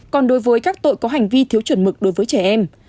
còn đối với các tội có hành vi thiếu chuẩn mực đối với trẻ em